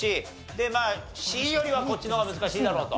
でまあＣよりはこっちの方が難しいだろうと。